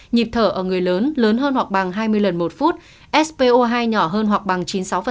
nhịp thở ở người lớn lớn hơn hoặc bằng hai mươi lần một phút spo hai nhỏ hơn hoặc bằng chín mươi sáu